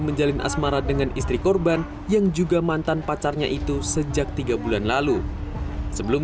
menjalin asmara dengan istri korban yang juga mantan pacarnya itu sejak tiga bulan lalu sebelum